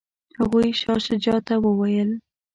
هغوی شاه شجاع ته وویل.